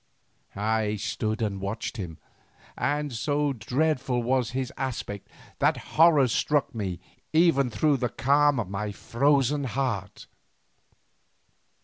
I stood and watched him, and so dreadful was his aspect that horror struck me even through the calm of my frozen heart.